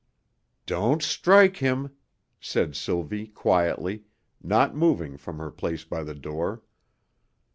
"Don't strike him," said Sylvie quietly, not moving from her place by the door.